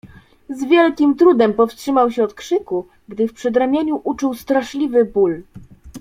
"Z wielkim trudem powstrzymał się od krzyku, gdy w przedramieniu uczuł straszliwy ból."